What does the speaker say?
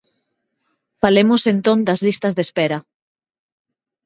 Falemos entón das listas de espera.